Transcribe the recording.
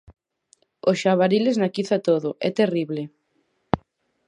"O xabaril esnaquiza todo, é terrible".